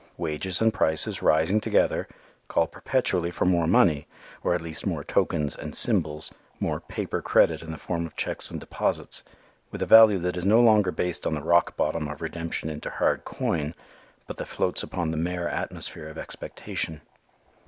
Wages and prices, rising together, call perpetually for more money, or at least more tokens and symbols, more paper credit in the form of checks and deposits, with a value that is no longer based on the rock bottom of redemption into hard coin, but that floats upon the mere atmosphere of expectation.